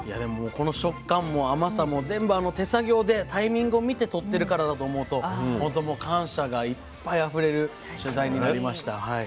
この食感も甘さも全部あの手作業でタイミングを見てとってるからだと思うとほんともう感謝がいっぱいあふれる取材になりました。